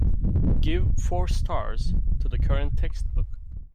Give four stars to the current textbook